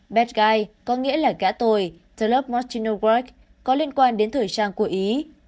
bad guy có nghĩa là gã tồi the love most you know work có liên quan đến thời trang của ý